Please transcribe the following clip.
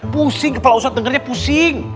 pusing kepala pusat dengarnya pusing